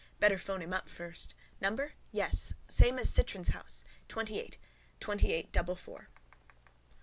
Better phone him up first. Number? Yes. Same as Citron's house. Twentyeight. Twentyeight double four.